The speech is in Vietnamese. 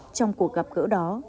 trong cuộc gặp gỡ đó